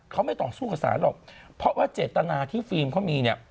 เขาไม่ต่อสู้กับสารหรอกเพราะว่าเจตนาที่ฟิล์มเขามีเนี่ย